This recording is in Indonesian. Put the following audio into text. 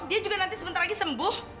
dia juga nanti sebentar lagi sembuh